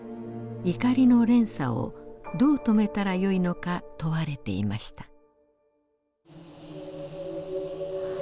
怒りの連鎖をどう止めたらよいのか問われていました。